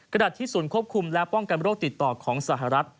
ขณะที่ศูนย์ควบคุมและป้องกันโรคติดต่อของสหรัฐ